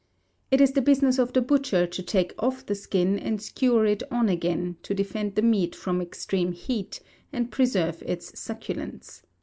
It is the business of the butcher to take off the skin and skewer it on again, to defend the meat from extreme heat, and preserve its succulence.